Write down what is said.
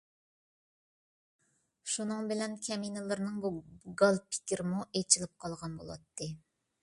شۇنىڭ بىلەن كەمىنىلىرىنىڭ بۇ گال پىكرىمۇ ئېچىلىپ قالغان بولاتتى.